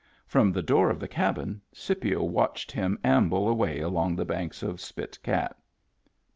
From the door of the cabin Scipio watched him amble away along the banks of Spit Cat.